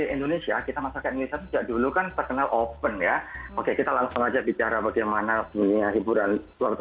indonesia kita masyarakat indonesia sejak dulu kan terkenal open ya oke kita langsung aja bicara bagaimana punya hiburan waktu